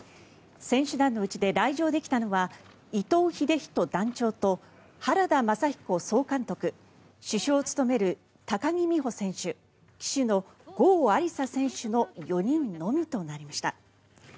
選手団のうちで来場できたのは伊東秀仁団長と原田雅彦総監督主将を務める高木美帆選手旗手の郷亜里砂選手の４人のみとなりました。